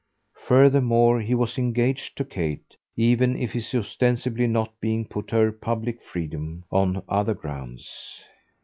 Furthermore he was engaged to Kate even if his ostensibly not being put her public freedom on other grounds.